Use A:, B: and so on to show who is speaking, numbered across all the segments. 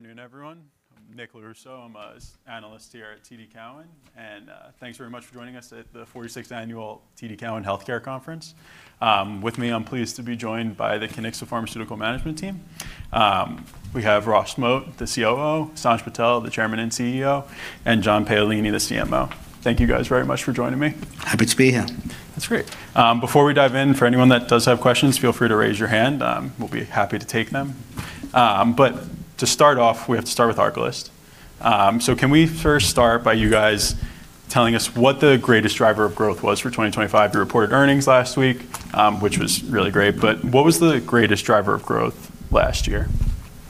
A: Good noon, everyone. I'm Nick LoRusso. I'm an analyst here at TD Cowen. Thanks very much for joining us at the 46th Annual TD Cowen Healthcare Conference. With me, I'm pleased to be joined by the Kiniksa Pharmaceuticals management team. We have Ross Moat, the COO, Sanj Patel, the Chairman and CEO, and John Paolini, the CMO. Thank you guys very much for joining me.
B: Happy to be here.
A: That's great. Before we dive in, for anyone that does have questions, feel free to raise your hand. We'll be happy to take them. To start off, we have to start with ARCALYST. Can we first start by you guys telling us what the greatest driver of growth was for 2025? You reported earnings last week, which was really great, but what was the greatest driver of growth last year?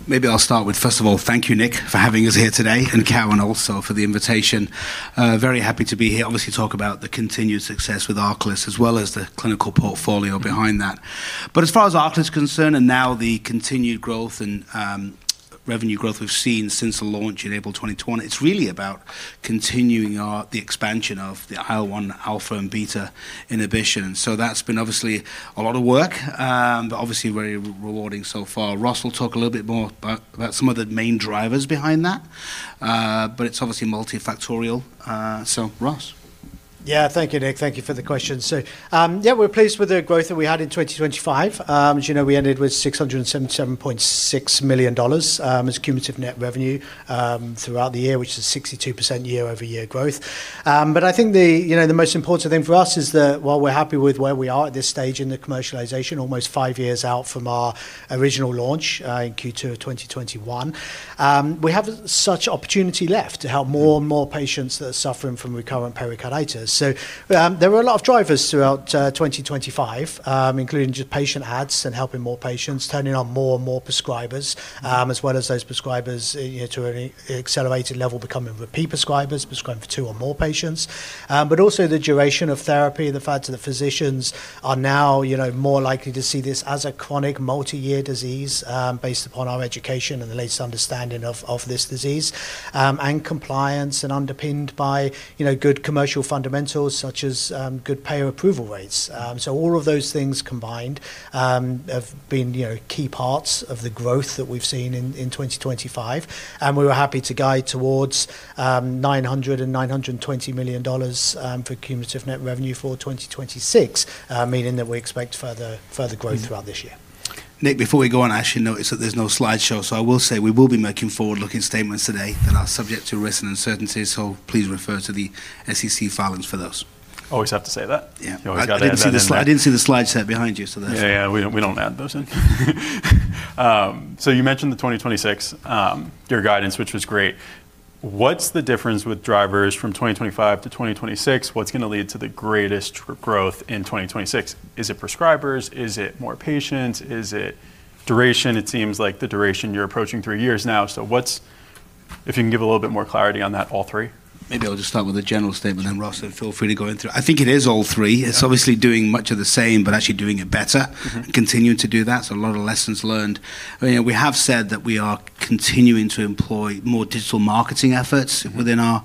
B: Maybe I'll start with, first of all, thank you, Nick, for having us here today, and Cowen also for the invitation. Very happy to be here, obviously talk about the continued success with ARCALYST as well as the clinical portfolio behind that. As far as ARCALYST is concerned and now the continued growth and revenue growth we've seen since the launch in April 2020, it's really about continuing the expansion of the IL-1 alpha and beta inhibition. That's been obviously a lot of work, but obviously very rewarding so far. Ross will talk a little bit more about some of the main drivers behind that, but it's obviously multifactorial. Ross.
C: Yeah, thank you, Nick. Thank you for the question. Yeah, we're pleased with the growth that we had in 2025. As you know, we ended with $677.6 million as cumulative net revenue throughout the year, which is 62% year-over-year growth. I think the, you know, the most important thing for us is that while we're happy with where we are at this stage in the commercialization, almost five years out from our original launch in Q2 of 2021, we have such opportunity left to help more and more patients that are suffering from recurrent pericarditis. There were a lot of drivers throughout 2025, including just patient adds and helping more patients, turning on more and more prescribers, as well as those prescribers, you know, to an accelerated level, becoming repeat prescribers, prescribing for two or more patients. Also the duration of therapy, the fact that the physicians are now, you know, more likely to see this as a chronic multi-year disease, based upon our education and the latest understanding of this disease, and compliance and underpinned by, you know, good commercial fundamentals such as good payer approval rates. All of those things combined have been, you know, key parts of the growth that we've seen in 2025. We were happy to guide towards $920 million for cumulative net revenue for 2026, meaning that we expect further growth throughout this year.
B: Nick, before we go on, I actually noticed that there's no slideshow. I will say we will be making forward-looking statements today that are subject to risks and uncertainties. Please refer to the SEC filings for those.
A: Always have to say that.
B: Yeah.
A: You always gotta add that in there.
B: I didn't see the slide set behind you, so there's.
A: Yeah. We don't add those in. You mentioned the 2026 your guidance, which was great. What's the difference with drivers from 2025 to 2026? What's gonna lead to the greatest growth in 2026? Is it prescribers? Is it more patients? Is it duration? It seems like the duration, you're approaching three years now. If you can give a little bit more clarity on that, all three.
B: Maybe I'll just start with a general statement then, Ross, so feel free to go in through. I think it is all three.
A: Yeah.
B: It's obviously doing much of the same, but actually doing it better.
A: Mm-hmm.
B: Continuing to do that. A lot of lessons learned. You know, we have said that we are continuing to employ more digital marketing efforts.
A: Mm-hmm.
B: Within our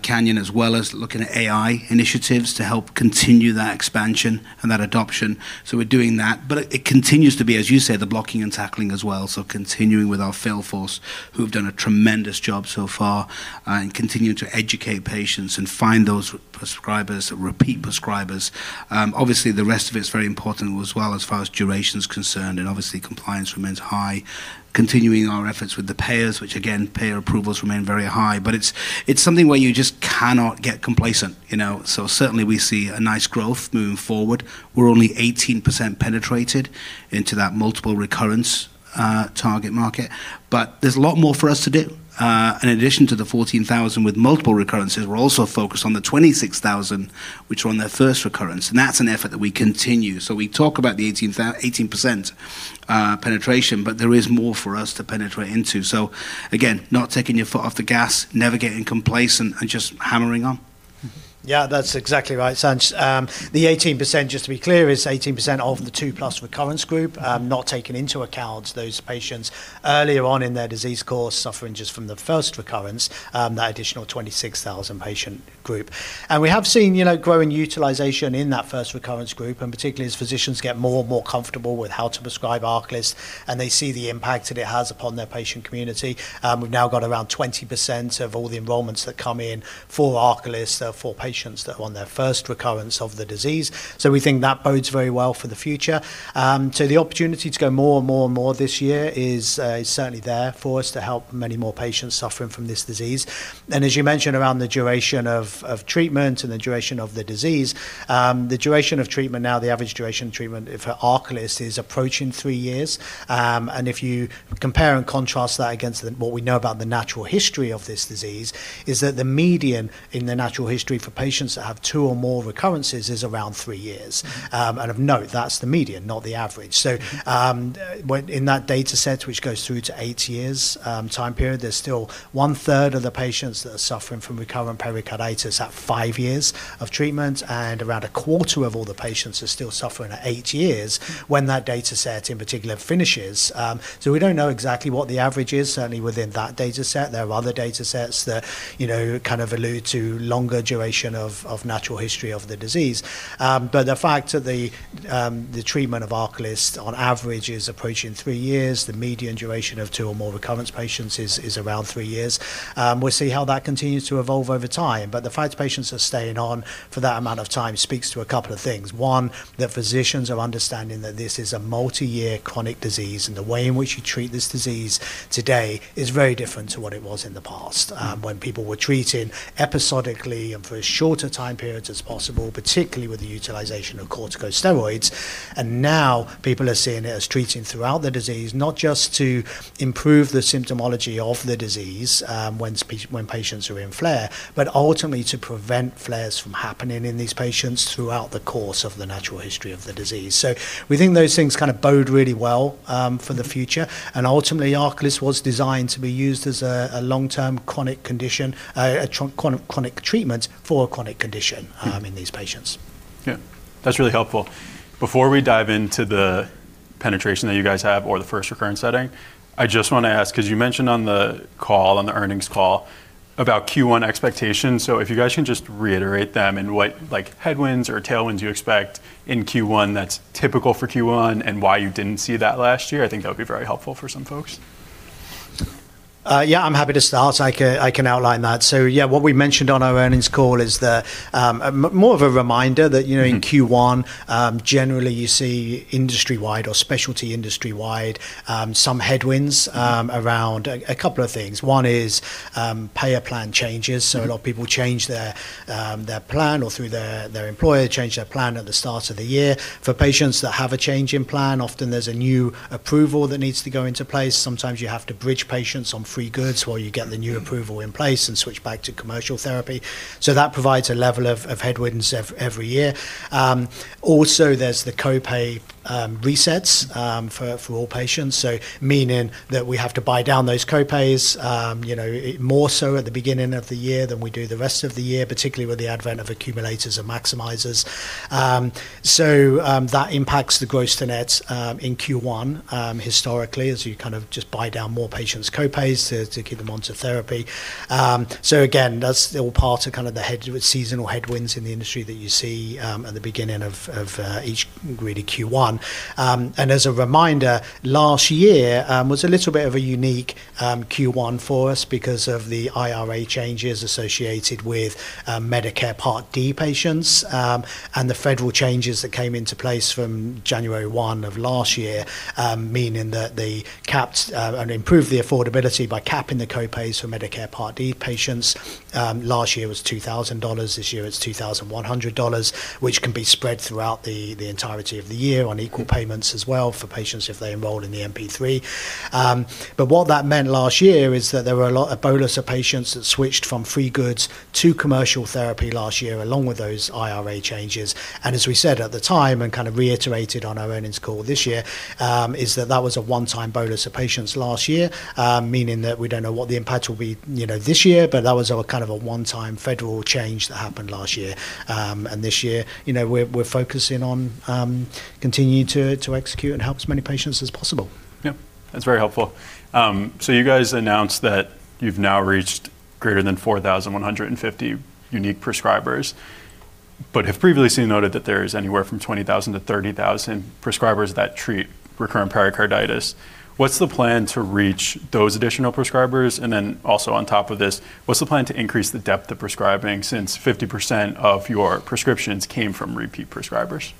B: campaign, as well as looking at AI initiatives to help continue that expansion and that adoption. We're doing that. It continues to be, as you say, the blocking and tackling as well. Continuing with our sales force, who have done a tremendous job so far, in continuing to educate patients and find those prescribers, repeat prescribers. Obviously, the rest of it is very important as well, as far as duration is concerned, and obviously compliance remains high. Continuing our efforts with the payers, which again, payer approvals remain very high. It's something where you just cannot get complacent, you know. Certainly, we see a nice growth moving forward. We're only 18% penetrated into that multiple recurrence target market. There's a lot more for us to do. In addition to the 14,000 with multiple recurrences, we're also focused on the 26,000 which are on their first recurrence. That's an effort that we continue. We talk about the 18% penetration, but there is more for us to penetrate into. Again, not taking your foot off the gas, never getting complacent, and just hammering on.
C: Yeah, that's exactly right, Sanj. The 18%, just to be clear, is 18% of the two-plus recurrence group, not taking into account those patients earlier on in their disease course suffering just from the first recurrence, that additional 26,000 patient group. We have seen, you know, growing utilization in that first recurrence group, and particularly as physicians get more and more comfortable with how to prescribe ARCALYST, and they see the impact that it has upon their patient community. We've now got around 20% of all the enrollments that come in for ARCALYST are for patients that are on their first recurrence of the disease. We think that bodes very well for the future. The opportunity to go more and more and more this year is certainly there for us to help many more patients suffering from this disease. As you mentioned, around the duration of treatment and the duration of the disease, the duration of treatment now, the average duration of treatment for ARCALYST is approaching three years. If you compare and contrast that against what we know about the natural history of this disease is that the median in the natural history for patients that have two or more recurrences is around three years. Of note, that's the median, not the average. In that dataset, which goes through to eight years, time period, there's still one-third of the patients that are suffering from recurrent pericarditis at five years of treatment, and around a quarter of all the patients are still suffering at eight years when that data set in particular finishes. We don't know exactly what the average is certainly within that data set. There are other data sets that, you know, kind of allude to longer duration of natural history of the disease. But the fact that the treatment of ARCALYST on average is approaching three years, the median duration of two or more recurrence patients is around three years. We'll see how that continues to evolve over time. The fact patients are staying on for that amount of time speaks to a couple of things. One, that physicians are understanding that this is a multi-year chronic disease, and the way in which you treat this disease today is very different to what it was in the past, when people were treating episodically and for as shorter time periods as possible, particularly with the utilization of corticosteroids. Now people are seeing it as treating throughout the disease, not just to improve the symptomology of the disease, when patients are in flare, but ultimately to prevent flares from happening in these patients throughout the course of the natural history of the disease. We think those things kind of bode really well for the future. Ultimately, ARCALYST was designed to be used as a long-term chronic condition, a chronic treatment for a chronic condition, in these patients.
A: Yeah, that's really helpful. Before we dive into the penetration that you guys have or the first recurrent setting, I just wanna ask, 'cause you mentioned on the call, on the earnings call about Q1 expectations. If you guys can just reiterate them and what like headwinds or tailwinds you expect in Q1 that's typical for Q1 and why you didn't see that last year, I think that would be very helpful for some folks.
C: Yeah, I'm happy to start. I can outline that. Yeah, what we mentioned on our earnings call is the more of a reminder that, you know.
A: Mm-hmm
C: in Q1, generally you see industry-wide or specialty industry-wide, some headwinds, around a couple of things. One is, payer plan changes.
A: Mm-hmm.
C: A lot of people change their plan or through their employer change their plan at the start of the year. For patients that have a change in plan, often there's a new approval that needs to go into place. Sometimes you have to bridge patients on free goods while you get the new approval in place and switch back to commercial therapy. That provides a level of headwinds every year. Also, there's the co-pay resets for all patients. Meaning that we have to buy down those co-pays, you know, more so at the beginning of the year than we do the rest of the year, particularly with the advent of accumulators and maximizers. That impacts the gross to net in Q1 historically, as you kind of just buy down more patients' co-pays to keep them onto therapy. Again, that's all part of kind of the seasonal headwinds in the industry that you see at the beginning of each really Q1. As a reminder, last year was a little bit of a unique Q1 for us because of the IRA changes associated with Medicare Part D patients and the federal changes that came into place from January 1 of last year, meaning that they capped and improved the affordability by capping the co-pays for Medicare Part D patients. Last year was $2,000, this year it's $2,100, which can be spread throughout the entirety of the year on equal payments as well for patients if they enrolled in the MP3. What that meant last year is that there were a lot of bolus of patients that switched from free goods to commercial therapy last year, along with those IRA changes. As we said at the time, and kind of reiterated on our earnings call this year, is that that was a one-time bolus of patients last year, meaning that we don't know what the impact will be this year, but that was a kind of a one-time federal change that happened last year. This year, you know, we're focusing on continuing to execute and help as many patients as possible.
A: Yeah. That's very helpful. You guys announced that you've now reached greater than 4,150 unique prescribers, but have previously noted that there is anywhere from 20,000-30,000 prescribers that treat recurrent pericarditis. What's the plan to reach those additional prescribers? Also on top of this, what's the plan to increase the depth of prescribing since 50% of your prescriptions came from repeat prescribers?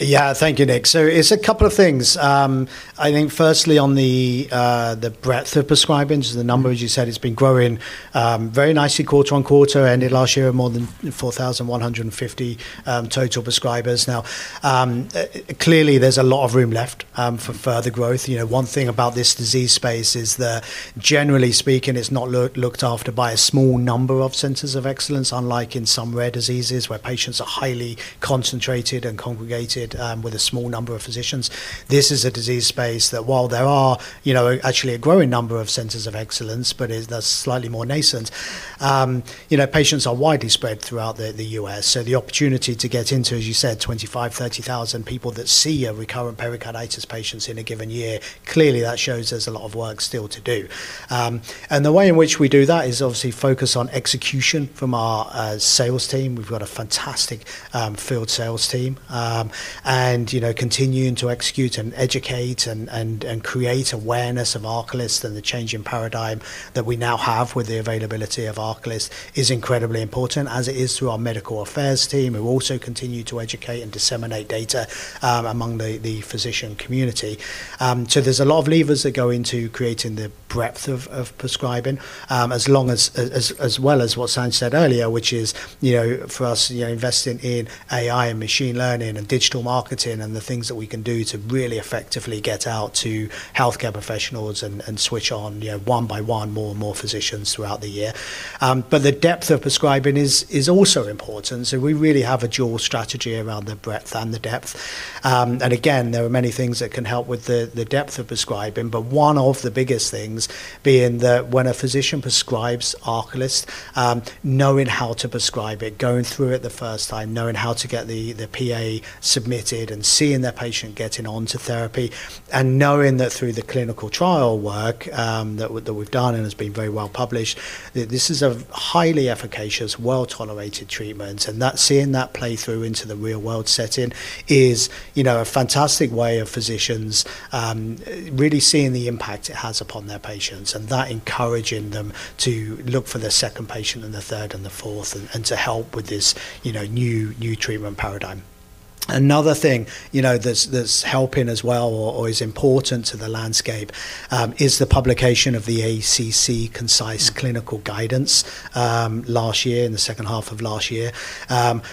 C: Yeah. Thank you, Nick. It's a couple of things. I think firstly on the breadth of prescribing. The number, as you said, has been growing very nicely quarter on quarter, ended last year more than 4,150 total prescribers. Now, clearly there's a lot of room left for further growth. You know, one thing about this disease space is that generally speaking, it's not looked after by a small number of centers of excellence, unlike in some rare diseases where patients are highly concentrated and congregated with a small number of physicians. This is a disease space that while there are, you know, actually a growing number of centers of excellence, but is thus slightly more nascent, you know, patients are widely spread throughout the U.S. The opportunity to get into, as you said, 25,000-30,000 people that see a recurrent pericarditis patients in a given year, clearly that shows there's a lot of work still to do. The way in which we do that is obviously focus on execution from our sales team. We've got a fantastic field sales team, and, you know, continuing to execute and educate and create awareness of ARCALYST and the change in paradigm that we now have with the availability of ARCALYST is incredibly important. As it is through our medical affairs team, who also continue to educate and disseminate data among the physician community. There's a lot of levers that go into creating the breadth of prescribing, as long as... As well as what Sanj said earlier, which is, you know, for us, you know, investing in AI and machine learning and digital marketing and the things that we can do to really effectively get out to healthcare professionals and switch on, you know, one by one, more and more physicians throughout the year. The depth of prescribing is also important. We really have a dual strategy around the breadth and the depth. Again, there are many things that can help with the depth of prescribing, but one of the biggest things being that when a physician prescribes ARCALYST, knowing how to prescribe it, going through it the first time, knowing how to get the PA submitted and seeing their patient getting onto therapy, and knowing that through the clinical trial work, that we're, that we've done and has been very well published, this is a highly efficacious, well-tolerated treatment. That seeing that play through into the real-world setting is, you know, a fantastic way of physicians really seeing the impact it has upon their patients and that encouraging them to look for the second patient and the third and the fourth, and to help with this, you know, new treatment paradigm. Another thing, you know, that's helping as well or is important to the landscape is the publication of the ACC Concise Clinical Guidance last year, in the second half of last year,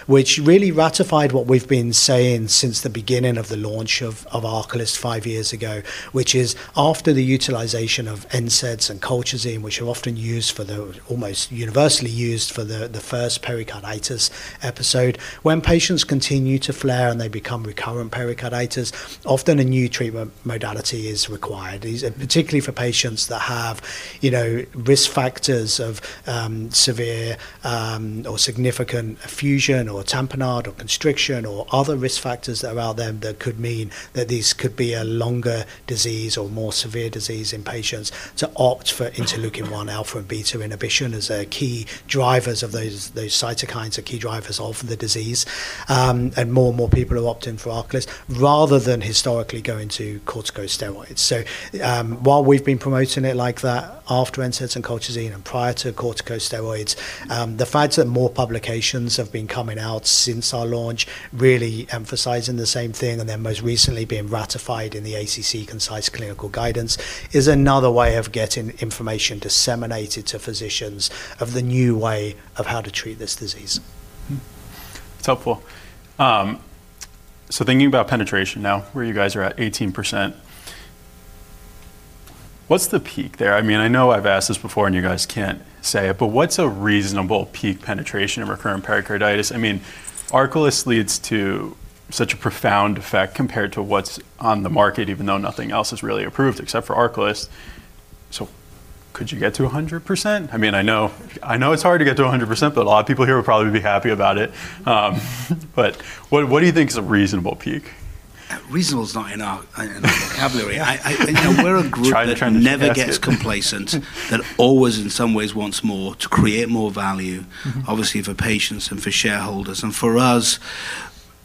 C: which really ratified what we've been saying since the beginning of the launch of ARCALYST five years ago, which is after the utilization of NSAIDs and colchicine, which are often used for the almost universally used for the first pericarditis episode. When patients continue to flare and they become recurrent pericarditis, often a new treatment modality is required. These are particularly for patients that have, you know, risk factors of severe or significant effusion or tamponade or constriction or other risk factors around them that could mean that these could be a longer disease or more severe disease in patients to opt for interleukin-one alpha and beta inhibition as a key drivers of those cytokines are key drivers of the disease. More and more people are opting for ARCALYST rather than historically going to corticosteroids. While we've been promoting it like that after NSAIDs and colchicine and prior to corticosteroids, the fact that more publications have been coming out since our launch really emphasizing the same thing, and then most recently being ratified in the ACC Concise Clinical Guidance, is another way of getting information disseminated to physicians of the new way of how to treat this disease.
A: Mm-hmm. It's helpful. Thinking about penetration now, where you guys are at 18%. What's the peak there? I mean, I know I've asked this before, you guys can't say it, what's a reasonable peak penetration of recurrent pericarditis? I mean, ARCALYST leads to such a profound effect compared to what's on the market, even though nothing else is really approved except for ARCALYST. Could you get to 100%? I mean, I know it's hard to get to 100%, a lot of people here would probably be happy about it. What do you think is a reasonable peak?
B: Reasonable is not in our vocabulary. I, you know, we're a group-
A: Trying to ask it.
B: that never gets complacent, that always, in some ways, wants more to create more value.
A: Mm-hmm.
B: -obviously for patients and for shareholders. For us,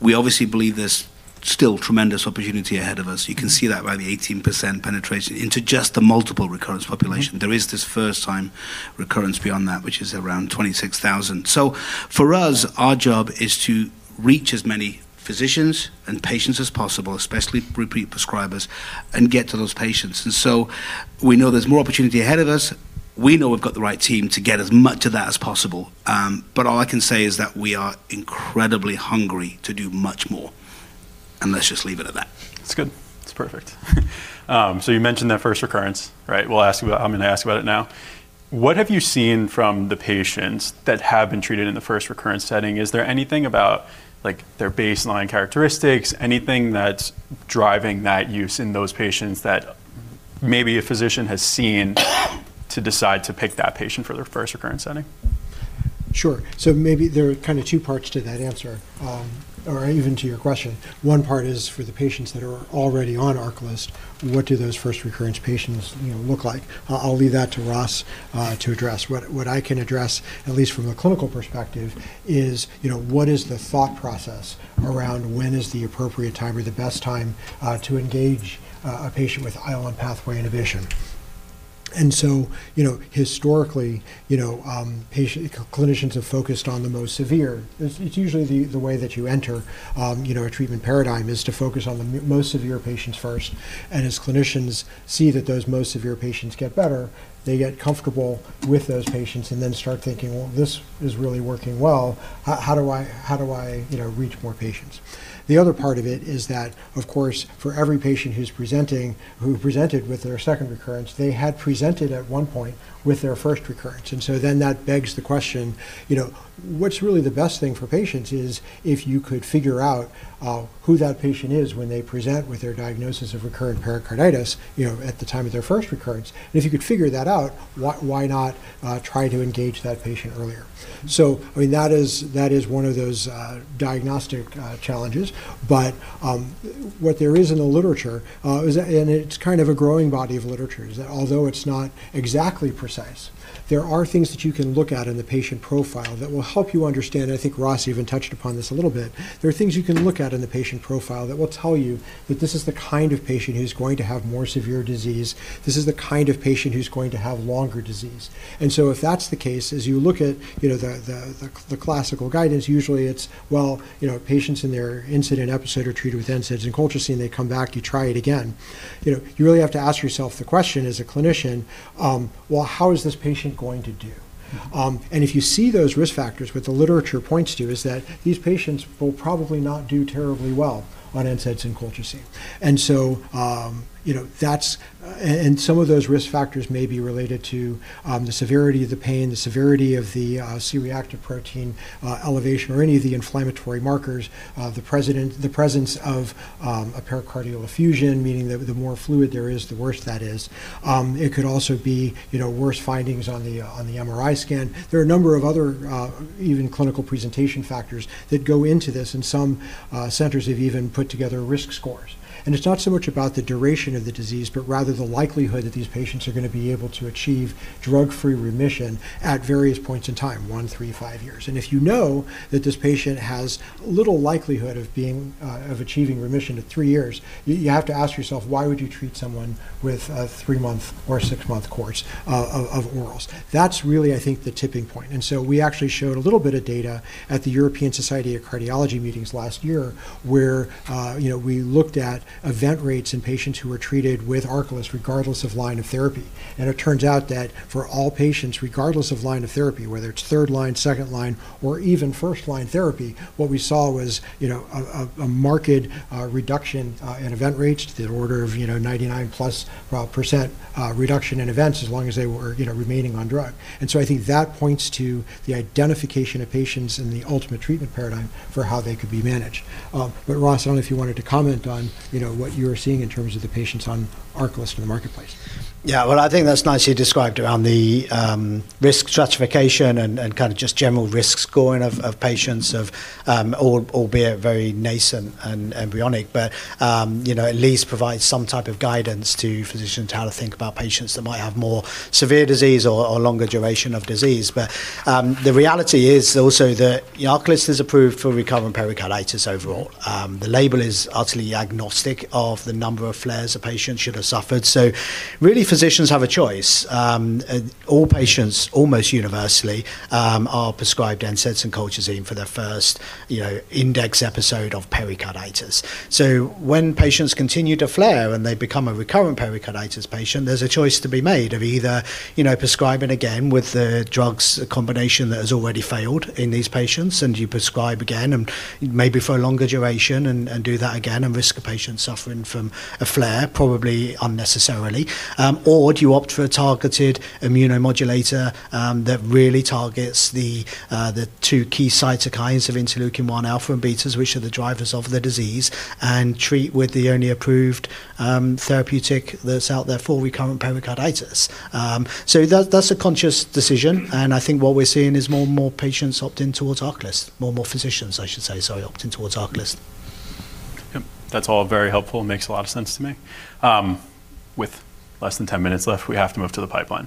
B: we obviously believe there's still tremendous opportunity ahead of us. You can see that by the 18% penetration into just the multiple recurrence population.
A: Mm-hmm.
B: There is this first-time recurrence beyond that, which is around 26,000. For us, our job is to reach as many physicians and patients as possible, especially repeat prescribers, and get to those patients. We know there's more opportunity ahead of us. We know we've got the right team to get as much of that as possible. All I can say is that we are incredibly hungry to do much more, and let's just leave it at that.
A: It's good. It's perfect. You mentioned that first recurrence, right? I'm gonna ask about it now. What have you seen from the patients that have been treated in the first recurrence setting? Is there anything about, like, their baseline characteristics, anything that's driving that use in those patients that maybe a physician has seen to decide to pick that patient for their first recurrence setting?
D: Sure. Maybe there are kind of two parts to that answer, or even to your question. One part is for the patients that are already on ARCALYST, what do those first recurrence patients, you know, look like? I'll leave that to Ross to address. What I can address, at least from a clinical perspective, is, you know, what is the thought process around when is the appropriate time or the best time to engage a patient with IL-1 pathway inhibition. You know, historically, you know, clinicians have focused on the most severe. It's usually the way that you enter, you know, a treatment paradigm is to focus on the most severe patients first. As clinicians see that those most severe patients get better, they get comfortable with those patients and start thinking, "Well, this is really working well. How do I, you know, reach more patients?" The other part of it is that, of course, for every patient who's presenting, who presented with their second recurrence, they had presented at one point with their first recurrence. That begs the question, you know, what's really the best thing for patients is if you could figure out who that patient is when they present with their diagnosis of recurrent pericarditis, you know, at the time of their first recurrence. If you could figure that out, why not try to engage that patient earlier? I mean, that is one of those diagnostic challenges. What there is in the literature is that. It's kind of a growing body of literature, is that although it's not exactly precise, there are things that you can look at in the patient profile that will help you understand. I think Ross even touched upon this a little bit. There are things you can look at in the patient profile that will tell you that this is the kind of patient who's going to have more severe disease. This is the kind of patient who's going to have longer disease. If that's the case, as you look at, you know, the, the classical guidance, usually it's, well, you know, patients in their incident episode are treated with NSAIDs and colchicine. They come back, you try it again. You know, you really have to ask yourself the question as a clinician, well, how is this patient going to do? If you see those risk factors, what the literature points to is that these patients will probably not do terribly well on NSAIDs and colchicine. You know, and some of those risk factors may be related to the severity of the pain, the severity of the C-reactive protein elevation or any of the inflammatory markers, the presence of a pericardial effusion, meaning that the more fluid there is, the worse that is. It could also be, you know, worse findings on the MRI scan. There are a number of other, even clinical presentation factors that go into this, and some centers have even put together risk scores. It's not so much about the duration of the disease, but rather the likelihood that these patients are going to be able to achieve drug-free remission at various points in time, one, three, five years. If you know that this patient has little likelihood of being of achieving remission at three years, you have to ask yourself, why would you treat someone with a three-month or six-month course of orals? That's really, I think, the tipping point. We actually showed a little bit of data at the European Society of Cardiology meetings last year, where, you know, we looked at event rates in patients who were treated with ARCALYST regardless of line of therapy. It turns out that for all patients, regardless of line of therapy, whether it's third line, second line, or even first-line therapy, what we saw was, you know, a marked reduction in event rates to the order of, you know, 99+% reduction in events as long as they were, you know, remaining on drug. So I think that points to the identification of patients and the ultimate treatment paradigm for how they could be managed. Ross, I don't know if you wanted to comment on, you know, what you're seeing in terms of the patients on ARCALYST in the marketplace.
C: Well, I think that's nicely described around the risk stratification and kind of just general risk scoring of patients of albeit very nascent and embryonic, but, you know, at least provides some type of guidance to physicians how to think about patients that might have more severe disease or longer duration of disease. The reality is also that ARCALYST is approved for recurrent pericarditis overall. The label is utterly agnostic of the number of flares a patient should have suffered. Really, physicians have a choice. All patients, almost universally, are prescribed NSAIDs and colchicine for their first, you know, index episode of pericarditis. When patients continue to flare and they become a recurrent pericarditis patient, there's a choice to be made of either, you know, prescribing again with the drugs combination that has already failed in these patients, and you prescribe again and maybe for a longer duration and, do that again and risk a patient suffering from a flare, probably unnecessarily, or do you opt for a targeted immunomodulator that really targets the two key cytokines of interleukin-1 alpha and beta, which are the drivers of the disease, and treat with the only approved therapeutic that's out there for recurrent pericarditis. That's a conscious decision, and I think what we're seeing is more and more patients opting towards ARCALYST. More and more physicians, I should say, sorry, opting towards ARCALYST.
A: Yep. That's all very helpful and makes a lot of sense to me. With less than 10 minutes left, we have to move to the pipeline.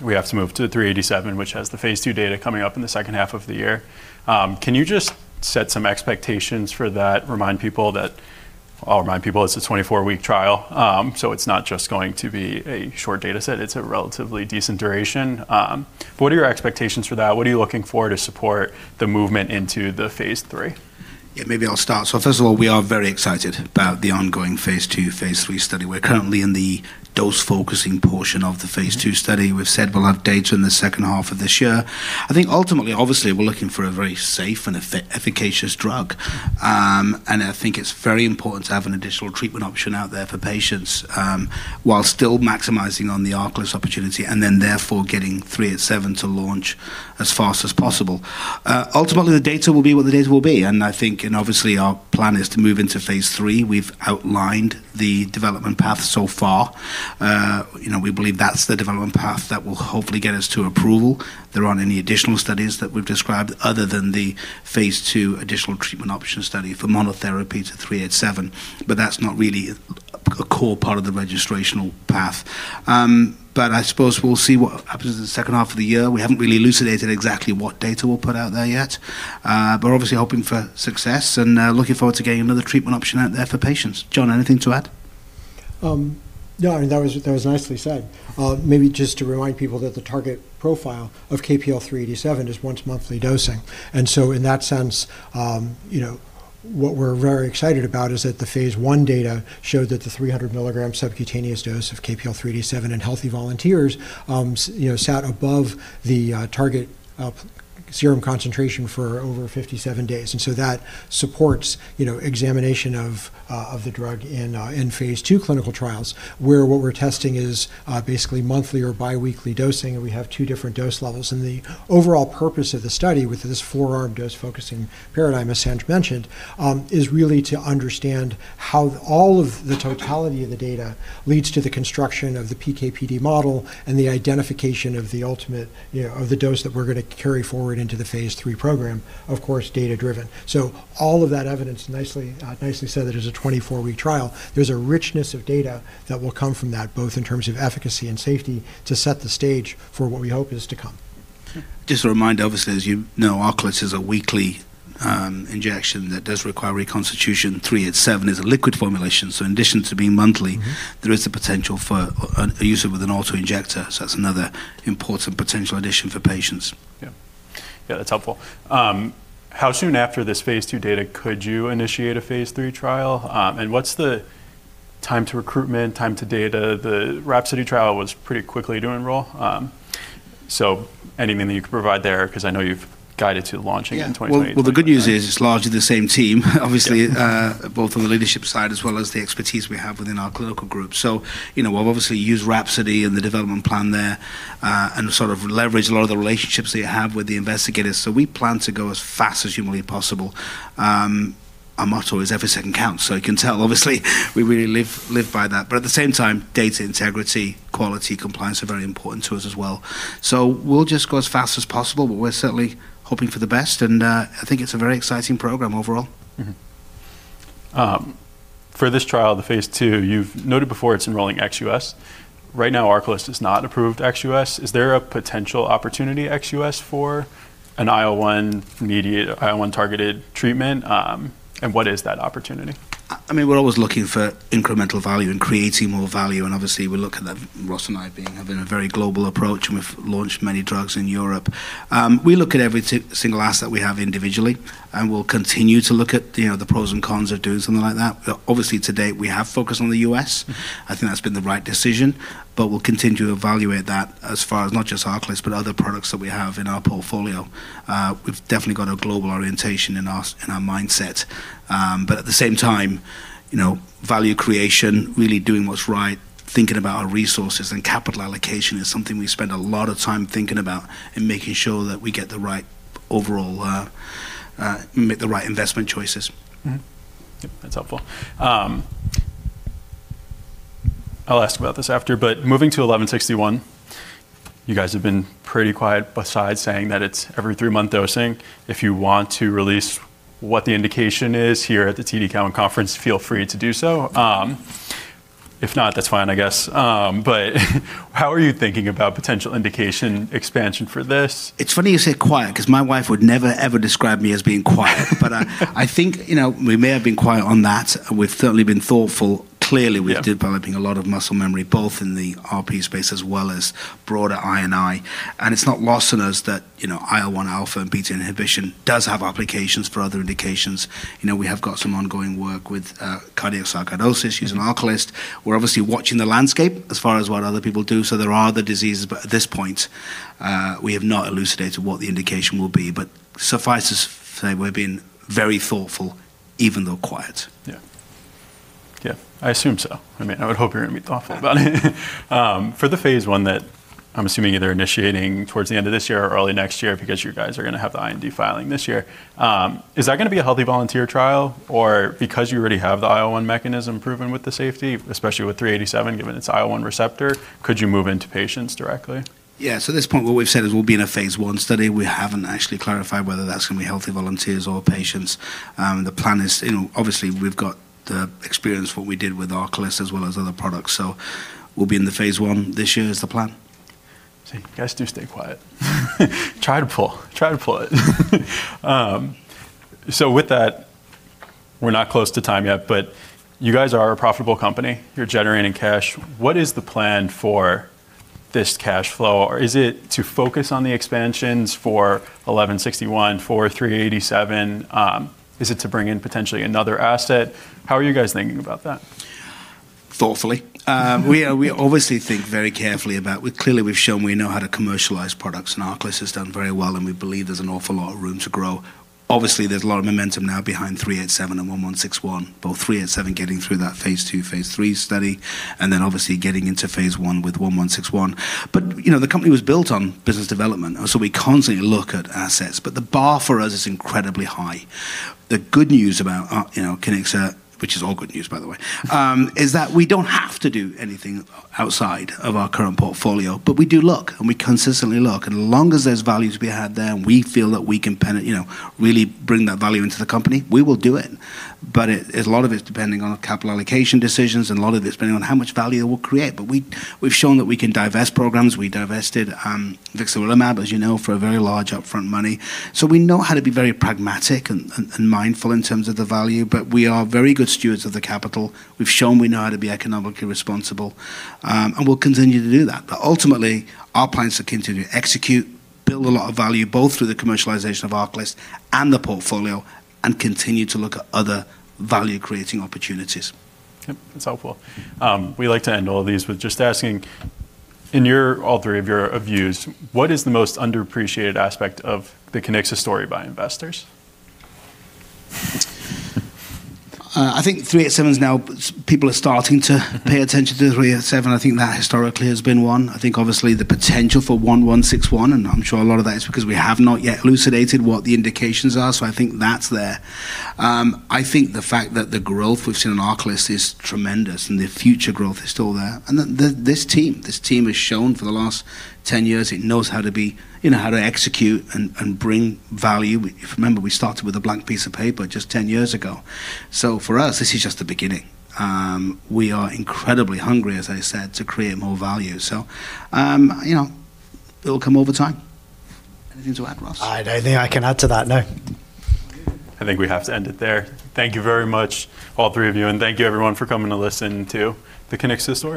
A: We have to move to 387, which has the Phase II data coming up in the second half of the year. Can you just set some expectations for that? Remind people that... I'll remind people it's a 24-week trial, so it's not just going to be a short data set. It's a relatively decent duration. What are your expectations for that? What are you looking for to support the movement into the Phase III?
B: Maybe I'll start. First of all, we are very excited about the ongoing phase II, phase III study. We're currently in the dose-focusing portion of the phase II study. We've said we'll have data in the second half of this year. I think ultimately, obviously, we're looking for a very safe and efficacious drug. I think it's very important to have an additional treatment option out there for patients while still maximizing on the ARCALYST opportunity and therefore getting KPL-387 to launch as fast as possible. Ultimately, the data will be what the data will be, and obviously, our plan is to move into phase III. We've outlined the development path so far. You know, we believe that's the development path that will hopefully get us to approval. There aren't any additional studies that we've described other than the phase II additional treatment option study for monotherapy to KPL-387, but that's not really a core part of the registrational path. I suppose we'll see what happens in the second half of the year. We haven't really elucidated exactly what data we'll put out there yet. Obviously hoping for success and looking forward to getting another treatment option out there for patients. John, anything to add?
D: No. I mean, that was, that was nicely said. Maybe just to remind people that the target profile of KPL-387 is once-monthly dosing. In that sense, you know, what we're very excited about is that the phase I data showed that the 300 milligrams subcutaneous dose of KPL-387 in healthy volunteers, you know, sat above the target of serum concentration for over 57 days. That supports, you know, examination of the drug in phase II clinical trials, where what we're testing is basically monthly or biweekly dosing, and we have two different dose levels. The overall purpose of the study with this forearm dose-focusing paradigm, as Sanj mentioned, is really to understand how all of the totality of the data leads to the construction of the PK/PD model and the identification of the ultimate, you know, of the dose that we're gonna carry forward into the phase III program, of course, data-driven. All of that evidence, nicely said, that is a 24-week trial. There's a richness of data that will come from that, both in terms of efficacy and safety, to set the stage for what we hope is to come.
B: Just a reminder, obviously, as you know, ARCALYST is a weekly injection that does require reconstitution. KPL-387 is a liquid formulation, so in addition to being monthly-.
D: Mm-hmm
B: ...there is the potential for a use with an auto-injector. That's another important potential addition for patients.
A: Yeah. Yeah, that's helpful. How soon after this phase II data could you initiate a phase III trial? What's the time to recruitment, time to data? The RHAPSODY trial was pretty quickly to enroll. Anything that you can provide there, because I know you've guided to launching in 2023.
B: Yeah. Well, the good news is it's largely the same team, obviously...
A: Yeah
B: ...both on the leadership side as well as the expertise we have within our clinical group. You know, we'll obviously use RHAPSODY and the development plan there, and sort of leverage a lot of the relationships that you have with the investigators. We plan to go as fast as humanly possible. Our motto is every second counts, so you can tell, obviously, we really live by that. At the same time, data integrity, quality, compliance are very important to us as well. We'll just go as fast as possible, but we're certainly hoping for the best, and I think it's a very exciting program overall.
A: For this trial, the phase II, you've noted before it's enrolling ex-U.S. Right now, ARCALYST is not approved ex-U.S. Is there a potential opportunity ex-U.S. for an IL-1 targeted treatment? What is that opportunity?
B: I mean, we're always looking for incremental value and creating more value. Obviously, Ross and I have been a very global approach. We've launched many drugs in Europe. We look at every single asset we have individually, and we'll continue to look at, you know, the pros and cons of doing something like that. Obviously, to date, we have focused on the U.S.
A: Mm-hmm.
B: I think that's been the right decision. We'll continue to evaluate that as far as not just ARCALYST, but other products that we have in our portfolio. We've definitely got a global orientation in our, in our mindset. At the same time, you know, value creation, really doing what's right, thinking about our resources and capital allocation is something we spend a lot of time thinking about and making sure that we get the right overall, make the right investment choices.
A: Yep, that's helpful. I'll ask about this after, moving to 1161, you guys have been pretty quiet besides saying that it's every three-month dosing. If you want to release what the indication is here at the TD Cowen conference, feel free to do so. If not, that's fine, I guess. How are you thinking about potential indication expansion for this?
B: It's funny you say quiet 'cause my wife would never ever describe me as being quiet. I think, you know, we may have been quiet on that. We've certainly been thoughtful.
A: Yeah.
B: Clearly, we've developed a lot of muscle memory, both in the RP space as well as broader ICI, and it's not lost on us that, you know, IL-1 alpha and beta inhibition does have applications for other indications. You know, we have got some ongoing work with cardiac sarcoidosis using ARCALYST. We're obviously watching the landscape as far as what other people do, so there are other diseases, but at this point, we have not elucidated what the indication will be. Suffice to say we're being very thoughtful, even though quiet.
A: Yeah. Yeah. I assume so. I mean, I would hope you're gonna be thoughtful about it. For the phase I that I'm assuming either initiating towards the end of this year or early next year because you guys are gonna have the IND filing this year, is that gonna be a healthy volunteer trial? Because you already have the IL-1 mechanism proven with the safety, especially with 387, given its IL-1 receptor, could you move into patients directly?
B: Yeah. At this point, what we've said is we'll be in a phase I study. We haven't actually clarified whether that's gonna be healthy volunteers or patients. The plan is... You know, obviously we've got the experience, what we did with ARCALYST as well as other products. We'll be in the phase I this year is the plan.
A: See, you guys do stay quiet. Try to pull it. With that, we're not close to time yet, but you guys are a profitable company. You're generating cash. What is the plan for this cash flow? Is it to focus on the expansions for KPL-1161, for KPL-387? Is it to bring in potentially another asset? How are you guys thinking about that?
B: Thoughtfully. We obviously think very carefully about. Clearly, we've shown we know how to commercialize products, and ARCALYST has done very well, and we believe there's an awful lot of room to grow. Obviously, there's a lot of momentum now behind KPL-387 and KPL-1161. Both KPL-387 getting through that phase II, phase III study, and then obviously getting into phase I with KPL-1161. You know, the company was built on business development, so we constantly look at assets, but the bar for us is incredibly high. The good news about, you know, Kiniksa, which is all good news by the way, is that we don't have to do anything outside of our current portfolio, but we do look, and we consistently look, and long as there's value to be had there and we feel that we can, you know, really bring that value into the company, we will do it. A lot of it's depending on capital allocation decisions, and a lot of it's depending on how much value it will create. We've shown that we can divest programs. We divested Vixarelimab, as you know, for a very large upfront money. We know how to be very pragmatic and mindful in terms of the value, but we are very good stewards of the capital. We've shown we know how to be economically responsible, and we'll continue to do that. Ultimately, our plan is to continue to execute, build a lot of value, both through the commercialization of ARCALYST and the portfolio, and continue to look at other value-creating opportunities.
A: Yep. That's helpful. We like to end all of these with just asking, all three of your views, what is the most underappreciated aspect of the Kiniksa story by investors?
B: I think 387's now people are starting to pay attention to 387. I think that historically has been one. I think obviously the potential for 1161, I'm sure a lot of that is because we have not yet elucidated what the indications are. I think that's there. I think the fact that the growth we've seen in ARCALYST is tremendous, the future growth is still there. This team has shown for the last 10 years it knows how to be you know, how to execute and bring value. If you remember, we started with a blank piece of paper just 10 years ago. For us, this is just the beginning. We are incredibly hungry, as I said, to create more value. You know, it'll come over time. Anything to add, Ross?
C: I don't think I can add to that, no.
A: I think we have to end it there. Thank you very much, all three of you, and thank you everyone for coming to listen to the Kiniksa story.